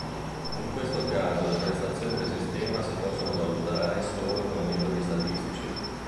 In questo caso le prestazioni del sistema si possono valutare solo con metodi statistici.